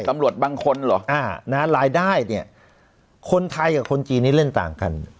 ตำรวจบางคนเหรอรายได้เนี่ยคนไทยกับคนจีนนี้เล่นต่างกัน